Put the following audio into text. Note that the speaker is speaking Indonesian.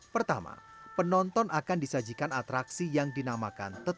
pertama penonton akan disajikan atraksi yang dinamakan tetep